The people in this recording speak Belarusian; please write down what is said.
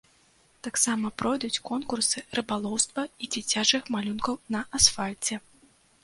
Таксама пройдуць конкурсы рыбалоўства і дзіцячых малюнкаў на асфальце.